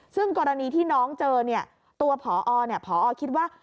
ซึ่งกรณีที่น้องเจอตัวพอคิดว่า